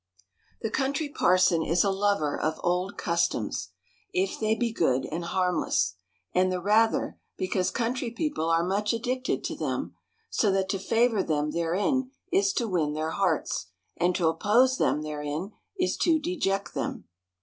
The Country Parson is a lover of old customs, if they be good and harmless : and the rather, because country people are much addicted to them ; so that to favor them therein is to win their hearts, and to oppose them therein is to deject them.